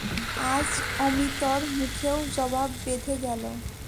আজ অমিতর মুখেও জবাব বেধে গেল।